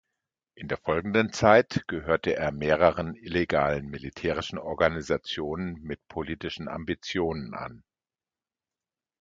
In der folgenden Zeit gehörte er mehreren illegalen militärischen Organisationen mit politischen Ambitionen an.